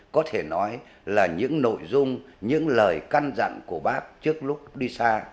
có thể nói là những nội dung những lời căn dặn của bác trước lúc đi xa